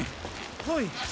はい。